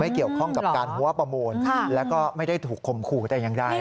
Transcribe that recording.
เกี่ยวข้องกับการหัวประมูลแล้วก็ไม่ได้ถูกคมคู่แต่อย่างใด